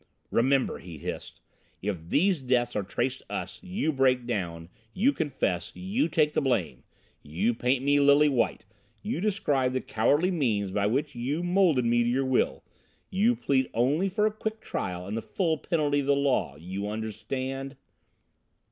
"Remember!" he hissed, "if these deaths are traced to us, you break down you confess you take the blame you paint me lily white you describe the cowardly means by which you moulded me to your will you plead only for a quick trial and the full penalty of the law. You understand?"